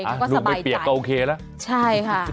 ก็สบายจังลูกไม่เปียกก็โอเคแล้วใช่ค่ะ